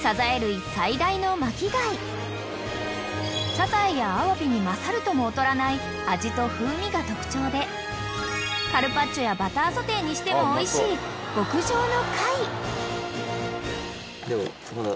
［サザエやアワビに勝るとも劣らない味と風味が特徴でカルパッチョやバターソテーにしてもおいしい極上の貝］